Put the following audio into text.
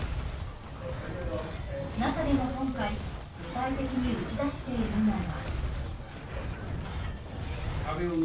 中でも今回具体的に打ち出しているのが。